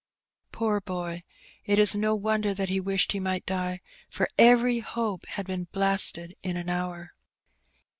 Poor boy ! it is no wonder that he wished he might die, for every hope had been blasted in an hour.